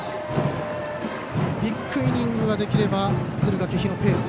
ビッグイニングができれば敦賀気比のペース。